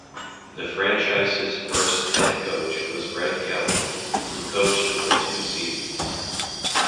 The franchise's first head coach was Red Kelly, who coached for two seasons.